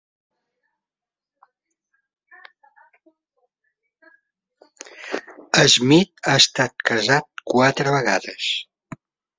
Smith ha estat casat quatre vegades.